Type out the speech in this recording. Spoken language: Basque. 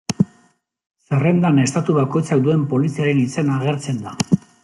Zerrendan, estatu bakoitzak duen poliziaren izena agertzen da.